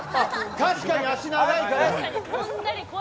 確かに足が長いから。